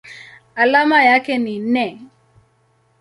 Alama yake ni Ne.